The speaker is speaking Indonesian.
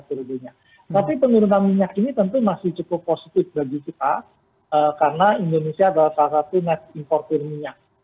tapi penurunan minyak ini tentu masih cukup positif bagi kita karena indonesia adalah salah satu net importer minyak